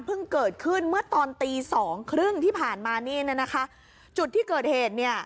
และมันเพิ่งเกิดขึ้นเมื่อตอนตี๒๓๐ที่ผ่านมาจุดที่เกิดเหตุ